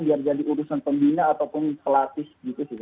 biar jadi urusan pembina ataupun pelatih gitu sih